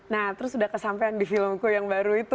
nah terus udah kesampean di filmku yang baru itu